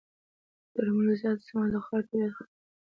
د درملو زیات استعمال د خاورې طبعیت خرابوي.